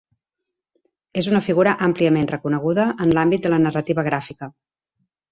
És una figura àmpliament reconeguda en l'àmbit de la narrativa gràfica.